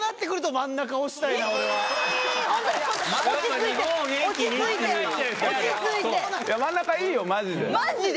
真ん中いいよマジで。